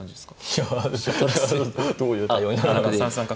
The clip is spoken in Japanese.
いやどういう対応になるのか。